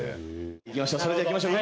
それではいきましょう。